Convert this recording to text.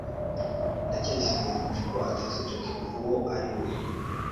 ndacyayisenga yitwaje ko atazi jaki uwo ari we